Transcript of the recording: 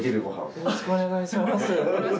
よろしくお願いします。